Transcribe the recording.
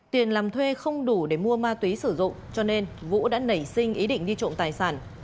tiền làm thuê không đủ để mua ma túy sử dụng cho nên vũ đã nảy sinh ý định đi trộm tài sản